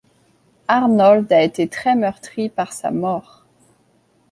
Arnold a été très meurtri par sa mort.